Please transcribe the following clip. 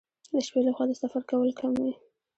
د شپې لخوا د سفر کول کم وي.